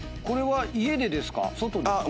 これは家でですか？